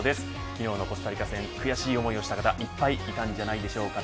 昨日のコスタリカ戦悔しい思いをした方いっぱいいたんじゃないでしょうか。